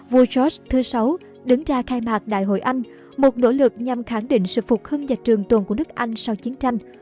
vua george vi đứng ra khai mạc đại hội anh một nỗ lực nhằm khẳng định sự phục hưng và trường tồn của nước anh sau chiến tranh